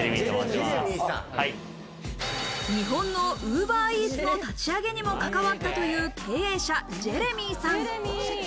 日本のウーバーイーツの立ち上げにも関わったという経営者、ジェレミーさん。